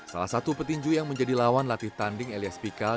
salah satu petinju yang menjadi lawan latih tanding elias pikal